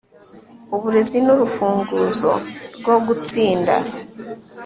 Uburezi ni urufunguzo rwo gutsinda